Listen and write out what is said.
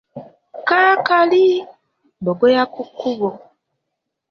Kaakali, bbogoya ku kkubo.